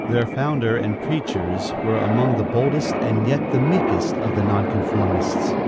Their founder and preachers were among the boldest and yet the meekest of the non conformists.